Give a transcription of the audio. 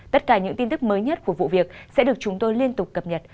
tất cả những tin tức mới nhất của vụ việc sẽ được chúng tôi liên tục cập nhật